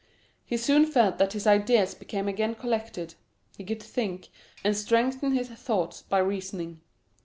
He soon felt that his ideas became again collected—he could think, and strengthen his thoughts by reasoning.